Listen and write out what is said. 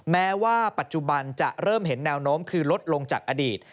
แม้ว่าปัจจุบันจะเริ่มเห็นแนวโน้มคือลดลงจากอดีต